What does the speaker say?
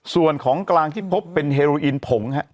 ส่วนของกลางที่พบเป็นเฮโรอีนผงฮะ